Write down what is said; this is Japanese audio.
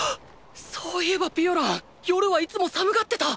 そういえばピオラン夜はいつも寒がってた。